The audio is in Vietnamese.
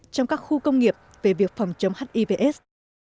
trong các khu công nghiệp về việc phòng chống hivs